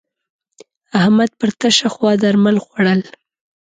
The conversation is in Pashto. احمد پر تشه خوا درمل خوړول.